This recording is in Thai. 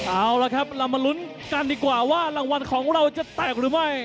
เอาละครับเรามาลุ้นกันดีกว่าว่ารางวัลของเราจะแตกหรือไม่